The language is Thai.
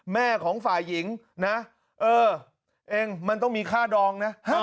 แม่ของฝ่ายหญิงนะเออเองมันต้องมีค่าดองนะ